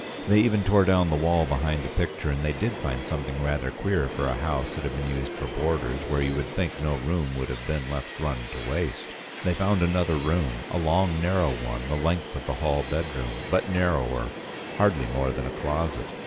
They even tore down the wall behind the picture, and they did find something rather queer for a house that had been used for boarders, where you would think no room would have been let run to waste. They found another room, a long narrow one, the length of the hall bedroom, but narrower, hardly more than a closet.